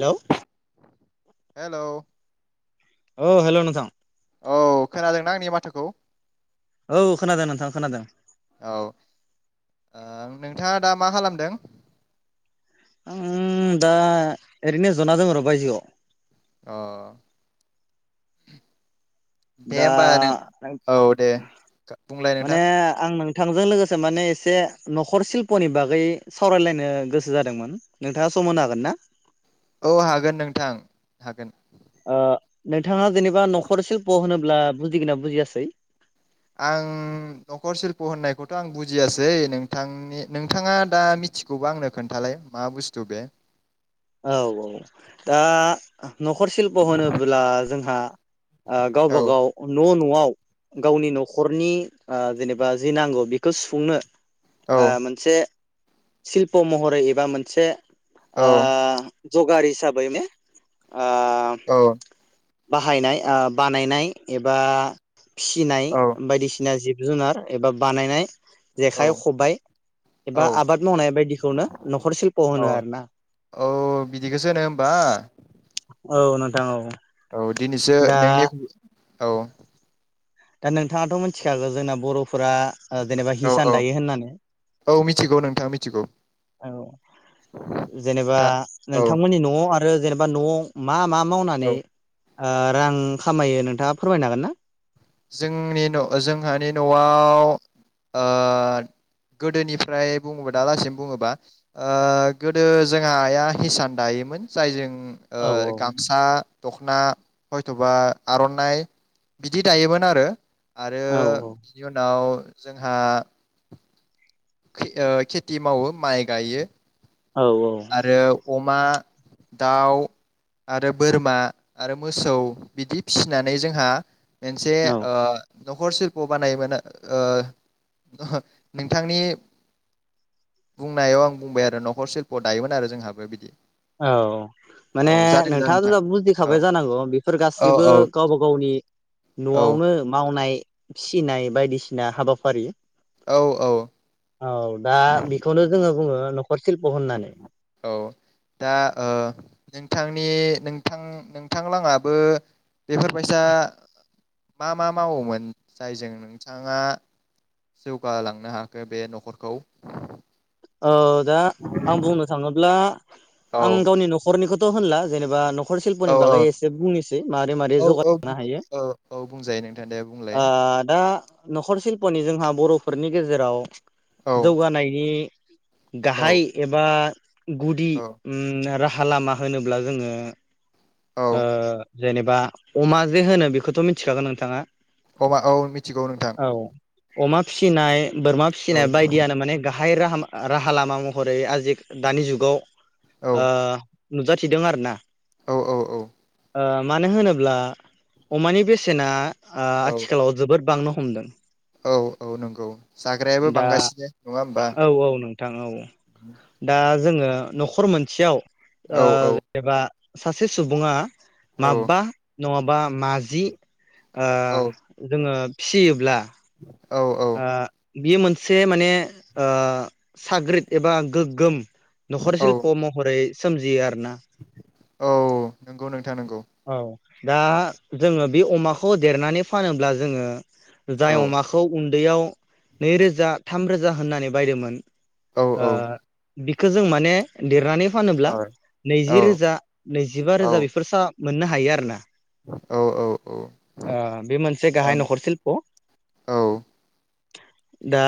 Hello हेल औ हेल नोंथां औ खोनादोंना आंनि माथोखौ? औ खोनादों नोंथां खोनादों। औ ओ नोंथाङा दा मा खालामदों? आं दा ओरैनो जना दोंर' बायजोआव अ। दे दा होमबा नों औ दे [unintelligible] बुंलाय नोंथां थांजों लोगोसे माने एसे नखर सिल्पनि बागै सावरायलायनो गोसो जादोंमोन। नोंथाङा सम होनो हागोन ना? औ हागोन नोंथां हागोन। ओ नोंथाङा जेनेबा नखर शिल्प होनोब ब्ला बुजिगोन ना बुजियासै? आं नखर सिल्प होननायखौथ आं बुजियासै। नोंथांनि नोंथाङा दा मिथिगौबा आंनो खोन्थालाय मा बुस्थु बे? औ औ दा नखर शिल्प होनोब्ला जोंहा आ गावबा औ गाव न नआव गावनि नखरनि ओ जेनेबा जि नांगौ बेखौ सुफुंनो औ ओ मोनसे शिल्प महरै एबा मोनसे औ ओ जगार हिसाबै ने ओ औ। बाहायनाय आ बानायनाय एबा फिसिनाय बायदिसिना जिब जुनार एबा बानायनाय औ जेखाइ खबाइ एबा औ आबाद मावनाय बायदिखौनो नखर सिल्प होनो औ आरो ना। औ बिदिखौसो होनो होमबा औ नोंथां औ। औ दिनैसो दा नोंनि औ दा नोंथाङाथ मिथिखागौ जोंना बर' फुरा जेनेबा औ औ हिसान दायो होननानै औ मिथिगौ नोंथां मिथिगौ औ जेनेबा दा औ नोंथांमोननि नआव रो जेनेबा नआव ओम मा मा मावनानै औ ओ रां खामायो नोंथाङा फोरमायनो हागोन ना? जोंनि न' जोंहानि न'आव ओ गोदोनिफ्राय बुङोबा दालासिम बुङोबा ओ गोदो जोंहा आइया हिसान दायोमोन जायजों ओम औ ओ औ गामसा दखना हयथबा आरनाइ बिदि दायोमोन आरो आरो औ औ बिनि उनाव जोंहा के ओ खेथि मावो माइ गायो औ आरो अमा दाउ आरो बोरमा आरो मोसौ बिदि फिसिनानै जोंहा मोनसे औ ओ नखर शिल्प बानायोमोन ओ ओहो नोंथांनि बुंनायाव आं बुंबाय आरो नखर शिल दायोमोन आरो जोंहाबो बिदि औ औ माने जादों दा नोंथाङा नोंथां जेनेबा औ बुजिखाबाय जानांगौ बेफोर औ गाससिबो औ गावबा गावनि न'आवनो औ मावनाय फिसिनाय बायदिसिना हाबाफारि औ औ औ दा बेखौनो जोङो बुङो नखर शिल्प होननानै। औ दा ओ नोंथांनि नोंथां नोंथांलाङाबो बेफोरबायसा मा मा मावोमोन? जायजों नोंथाङा जौगालांनो हाखो बे नखरखौ औ दा आं बुंनो थाङोब्ला औ आं गावनि नखरनिखौ थ होनल जेनेबा नख नखर औ शिल्पनि बागै एसे बुंनोसै मारै मारै औ औ जौगांनो हायो औ औ बुंजायो नोंथां दे बुंलाय ओ दा नखर सिल्पनि जोंहा बर'फोरनि गेजेराव औ जौगानायनि औ गाहाइ एबा गुदि औ ओम रा हा लामा होनोब्ला जोङो औ ओ जेनेबा अमा जे होनो बेखौथ' मिथिखागौ नोंथाङा अबा औ मिथिगौ नोंथां औ अमा फिसिनाय बोरमा औ फिसिनाय बायदियानो माने गा हाय राहाम राहा लामा महरै आजि दानि जुगाव औ ओ नुजाथिदों आरो ना औ औ औ ओ मानो होनोब्ला अमानि बेसेना ओ औ आथिखालाव जोबोद बांनो हमदों। औ औ नंगौ जाग्रायाबो बांगासिनो नङा होमबा नोंथां थां औ औ दा जोङो नखर मोनसेयाव ओ औ औ जेनेबा सासे सुबुङा औ माबा नङाबा माजि ओ औ जोङो फिसियोब्ला औ औ ओ बियो मोनसे माने ओ साग्रिद एबा गोगोम नखर औ सिल्प महरै सोमजियो आ रो ना औ नंगौ नोंथां नंगौ औ दा जोङो बे अमाखौ देरनानै फानोब्ला जोङो। जाय औ अमाखौ उन्दैयाव नै रोजा थाम रोजा होननानै बायदोंमोन। औ आ औ बि खौ जों माने देरनानै औ फानोब्ला नैजि रोजा नैजिबा रोजा औ बेफोर सा मोननो हायो आरो ना। औ औ औ ओ बे मोनसे गाहाय ओम नखर सिल्प। औ दा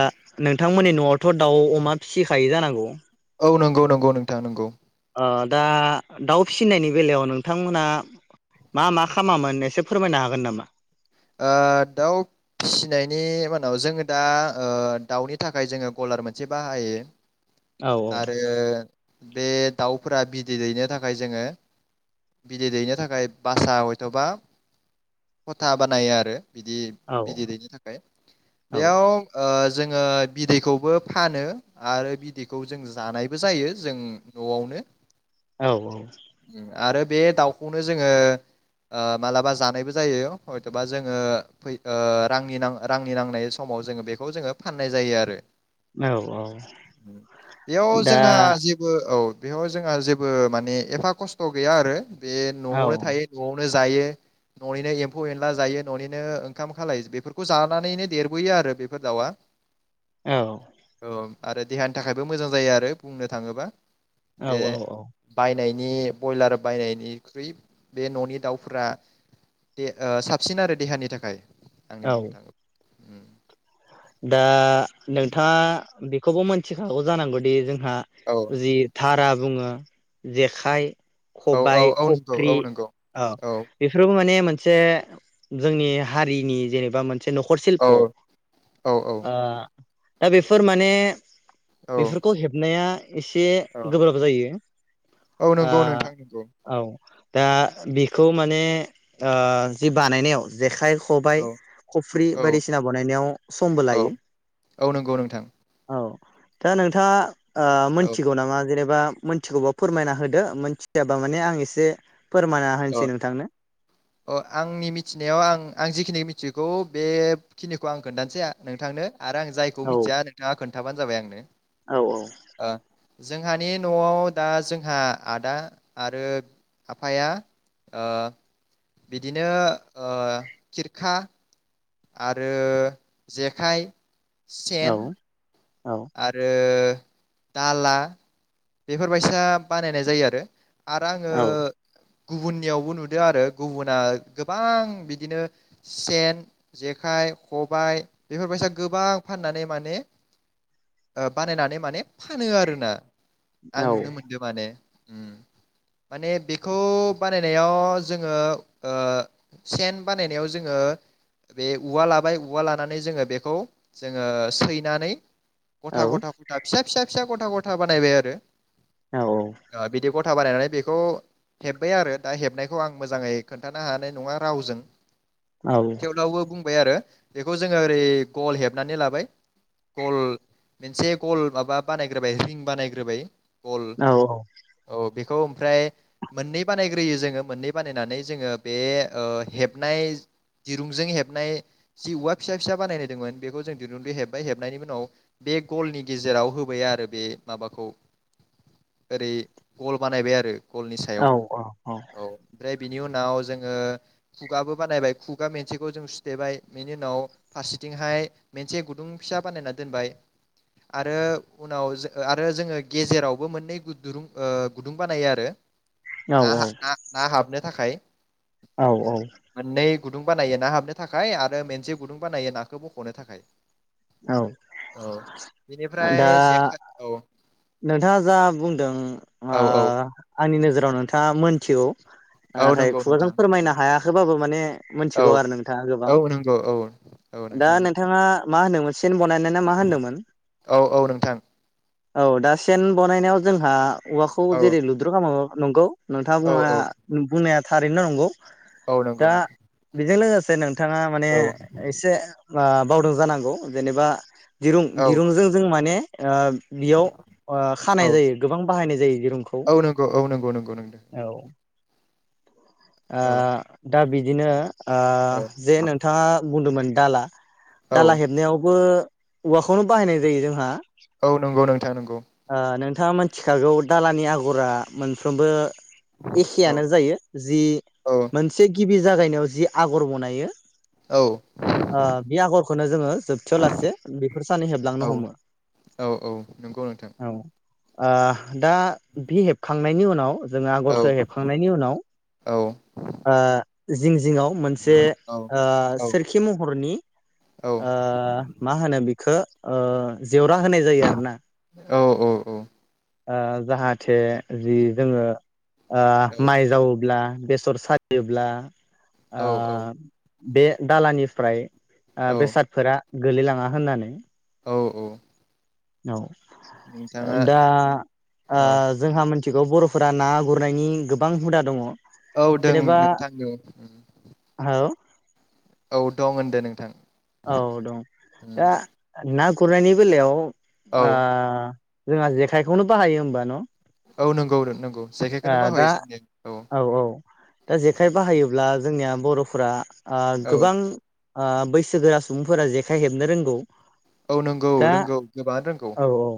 नोंथांमोननि नआवथ दाउ अमा फिसिखायो जानांगौ? औ नंगौ नंगौ नोंथां नंगौ। ओ दा दाउ फिनायनि बेलायाव नोंथांमोना मा मा खामामोन एसे फोरमायनो हागोन नामा? ओ दाउ फिसिनायनि मानाव जोङो दा ओ दाउनि थाखाय जोङो गलार मोनसे बाहायो। औ औ आरो बे दाउफोरा बिदै दैनो थाखाय जोङो बिदै दैनो थाखाय बासा हयथबा खथाब बानायो आरो। बिदि औ बिदै दैैनि थाखाय औ बेयाव ओ जोङो बिदैखौबो फानो आरो बिदैखौ जों जानायबो जायो जों नआवनो। औ औ। आरो बे दाउखौनो जोङो ओ मालाबा जानायबो जायो। हयथबा जोङो फै ओ रांनि रांनि नांनाय समाव जोङो बेखौ जोङो फाननाय जायो आरो। औ औ बेयाव दा जोंहा जेबो, औ। बेयाव जोंहा जेबो माने एफा खस्थ गैया आरो। बे औ नआवनो थायो नआवनो जायो ननिनो एम फौ एनला जायो ननिनो ओंखाम खालाय बेफोरखौ जानानैनो देरबोयो आरो बेफोर दाउआ। औ औ। आरो देहानि थाखायबो मोजां जायो आरो बुंनो थाङोब्ला। औ औ औ। नायनि बयलार बायनायनिख्रुइ बे ननि दाउफोरा दे ओ साबसिन आरो देहानि थाखाय। आंनि बुंनो औ थाङोबा उम। दा नोंथाङा बेखौबो मिथिखागौ जानांगौदि जोंं हा औ जि थारा बुङो जेखाइ औ औ खबाय औ नंगौ खफ्रि औ नंगौ औ बेफोरावबो माने मोन से जोंनि हारिनि जेनेबा मोन नखर‌ औ शिल्प औ आ दा बेफोर माने औ बेफोरखौ हेबनाया एसे औ गोब्राब जायो। औ ओ नंगौ नोंथां नंगौ। औ दा बिखौ माने ओ जि बानायनायाव जेखाइ खब खबाइ औ खफ्रि औ बायदिसिना बानायनायाव समबो औ लायो औ नंगौ नोंथां औ दा नोंथाङा? ओ औ मोनथिगौ नामा जेनेबा मोनथिगौबा फोरमायना होदो मिथियाबा माने आं एसे फोरमायना होनोसै अ नोंथांनो अ आंनि मिथिनायाव आं आं जिखिनि मिथिगौ बेखिनिखौ आं खोन्थानोासै आ नोंथांनो आरो आं जायखौ औ मिथिया नोंथाङा खोनथ खोनथाबानो जाबाय आंनो औ औ ओ जोंहानि नआव दा जोंहा आदा आरो आफाया ओ बिदिनो ओ खिरखा आरो जेखाइ सेन औ आरो दाला बेफोरबायसा बानायनाय जायो आरो आरो आङो औ गुबुननियावबो नुदों आरो गुबुना गोबां बिदिनो सेन जेखाइ खबाइ बेफोरबायसा गोबां फाननानै माने ओ बानायनानै माने फानो आरोना आं औ नुनो मोनदों माने उम माने बेखौ बानायनायाव जोङो ओ सेन बानायनायाव जोङो बे औवा लाबाय औवा लानानै जोङो बेखौ जोङो सैनानै गथ औ गथा गथा फिसा फिसा फिसा गथा गथा बानायबाय आरो औ आ बिदि गथा बानायनानै बेखौ हेब्बाय आरो दा हेबनायखौ आं मोजाङै खोन्थानो हानाय नङा रावजों औ थेवब्लाबो बुंबाय आरो बेखौ जोङो ओरै गल हेबनानै लाबाय गल मोनसे गल माबा बानायग्रोबाय रिं बानायग्रोबाय बल औ औ बे खौ ओमफ्राय मोननै बानायग्रोयो जोङो मोननै बानायनानै जोङो बे ओ हेबनाय दिरुंजों हेबनाय जि औवा फिसा फिसा बानायनाय दंमोन बेखौ जों दिरुंजों हेबबाय हेबनायनि उनाव बे गलनि गेजेराव होबाय आरो बे माबाखौ ओरै गल बानायबाय आरो गलनि सायाव औ ओमफ्राय बिनि उनाव जोङो खुगाबो बानायबाय खुगा मोनसेखौ जों सुथेबाय बेनि उनाव फारसेथिंहाय मोनसे गुदुं फिसा बानायनानै दोनबाय आरो उनाव जों आरो जोङो गेजेरावबो मोननै दुरुं गुदुं ओ बानायो आरो ना ना हाबनो थाखाय। औ औ। मोननै गुदुं बानायो ना हाबनो थाखाय आरो मोनसे गुदुं बानायो नाखौ बखनो थाखाय। औ औ बेनिफ्राय दा जेखाय औ नोंथाङा जा बुंदों आ औ औ आंनि नोजोर औ नोंथाङा मोनथिगौ। औ नाथाय नंगौ खुगाजों नोंथां फोरमायनो हायाखैबाबो माने औ मोनथिगौ आरो नोंथाङा गोबां औ नंगौ औ औ दा नोंथां नोंथाङा मा होनोमोन मोन चेन बनाय [unintelligible] मा होनदोंमोन। औ औ नोंथां औ दा सेन बनायनायाव जोंहा औवाखौ औ जेरै लुद्रु खामो। नंगौ। औ नोंथाज्ञबुंनाया औ बुंनाया थारैनो नंगौ। औ नंगौ दा नोंथां बेदिनो [unintelligible] थाङा माने औ एसे बा बावदों जानांगौ जेनेबा दिरुं औ दिरुंजों जों माने ओ बेयाव ओ औ खानाय जायो गोबां बिबां बाहायनाय जायो। दिरुंखौ औ नंगौ औ नंगौ नंगौ नोंथां औ ओ औ दा बिदिनो ओ औ जे नोंथाङा बुंदोंमोन दाला औ दाला हेबनायावबो [unintelligible] खौनो बाहायनाय जायो जोंहा। औ नंगौ नोंथां नंगौ ओ नोंथाङा मिथिखागौ दालानि आगरा मोनफ्रोमबो औ एखेआनो जायो जि औ मोनसे गिबि जागायनायाव जि आगर बनायो औ ओ बे आगरखौनो जोङो जोबथायाव लासे बेफोर सानो हेबलांनो हमो नोंगौ नोंथां आ दा बि हेबखांनायनि उनाव जोङो औ आगरखो हेबखांनायनि उनाव औ ओ जिं जिङाव मोनसे औ ओ सोरखि महरनि ओ मा होनो बि खो ओ जेवरा होनाय जायो आरो औ औ औ ओ जाहाथे जि जोङो ओ औ औ माइ जावोब्ला बेसर सायोब्ला औ आ बे दालानिफ्राय ओ औ बेसादफोरा गोलैलाङा होननानै औ औ औ नोंथाङा दा ओ औ जोंहा मोनस थिगौ बर'फोरा ना गुरनायनि गोबां हुदा दङ औ दों जेनेबा नोंथांनि औ औ दं होनदो नोंथां औ दं दा ना गुरनायनि बेलायाव औ ओ जोंहा जेखायखौनो बाहायो होमबा न'? औ नंगौ नंगौ ओ जायखायखौनो दा बाहायो जोंनि औ दा जेखाइ बाहायोब्ला जोंनिया बर'फोरा ओ औ गोबां आ बैसो बैसोगोरा सुबुंफोरा जेखाइ हेबनो रोंगौ। औ नंगौ दा रोंगौ गोबाङानो रोंगौ औ औ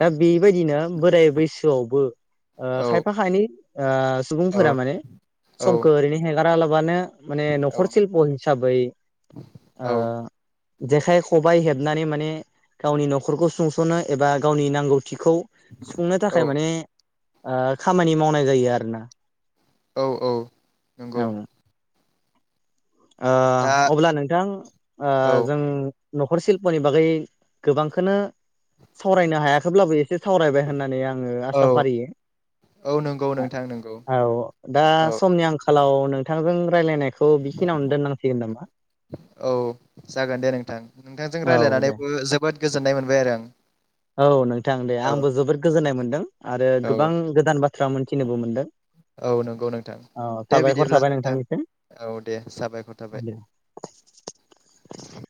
दा बेबायदिनो बोराय बैसोआवबो औ खायफा खायनै ओ औ सुबुंफोरा माने औ समखौ ओरैनो हेगारा मानो माने औ नखर शिल्प हिसाबै ओ औ जेखाय खबाइ हेबनानै माने गावनि नखरखौ सुंसनो एबा गावनि नांगौ थिखौ सुफुंनो औ थाखाय माने खामानि मावनाय जायो आरोना। औ औ नंगौ। आ दा अब्ला नों बिथां ओ औ जों नखर सिल्पनि बागै गोबांखौनो सावरायनो हायाखैब्लाबो एसे सावरायबाय होननानै आङो औ आसा फारियो। औ नंगौ नोंथां नंगौ औ दा औ समनि आंखालाव नों नोंथांजों रायलायनाय बेखौ बिखिनियावनो दोननांसिगोन नामा? औ जागोन दे नोंथां। नोंथांजों औ दे रायलायनानैबो जोबोद गोजोननाय मोनबाय आरो आं। औ नों थां दे आंबो जोबोद गोजोननाय मोन आरो औ गोबां गोदान बाथ्रा बाथ्रा मोनथिनोबो मोनदों। औ नंगौ नोंथां औ दे साबायखर बिदिब्ला थाबाय नोंथां नोंथांनिसिम औ दे जाबायखर दे थाबाय।